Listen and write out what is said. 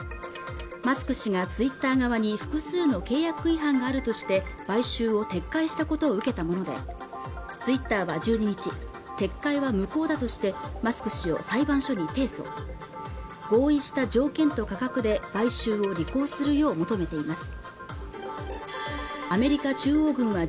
マスク氏がツイッター側に複数の契約違反があるとして買収を撤回したことを受けたものでツイッターは１２日撤回は無効だとしてマスク氏を裁判所に提訴合意した条件と価格で買収を履行するよう求めています